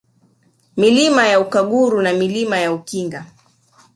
Milima ya Ukaguru na Milima ya Ukinga